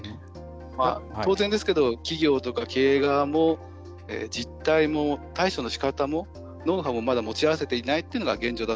当然ですけど、企業とか経営側も実態も対処のしかたもノウハウもまだ持ち合わせていないっていうのが現状だと思います。